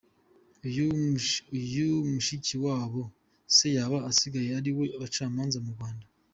Uyu Muskikiwabo se yaba asigaye ariwe bucamanza mu Rwanda?